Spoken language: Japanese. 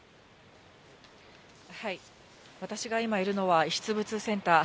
私が今いるのは、遺失物センター。